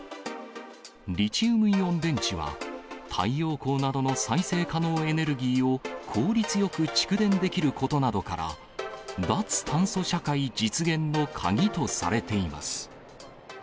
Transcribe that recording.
リチウムイオン電池は、太陽光などの再生可能エネルギーを効率よく蓄電できることなどから、脱炭素社会実現の鍵とされています。